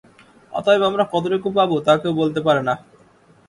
অতএব আমরা কতটুকু পাব, তা কেউ বলতে পারে না।